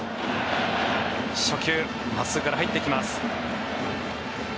初球真っすぐから入っていきます。